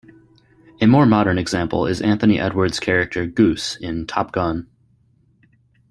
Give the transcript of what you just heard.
A more modern example is Anthony Edwards' character, "Goose", in "Top Gun".